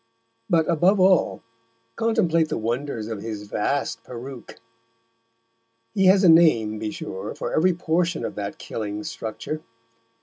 But, above all contemplate the wonders of his vast peruke. He has a name, be sure, for every portion of that killing structure.